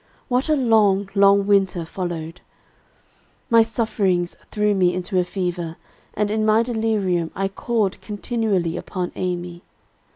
What a long, long winter followed. My sufferings threw me into a fever, and in my delirium I called continually upon Amy.